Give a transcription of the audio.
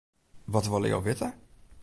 Wat wolle jo witte?